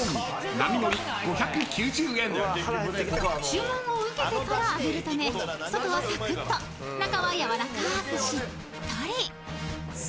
［注文を受けてから揚げるため外はサクッと中は軟らかくしっとり］